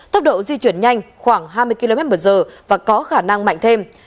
tốc độ di chuyển nhanh khoảng hai mươi kmh và có khả năng mạnh thêm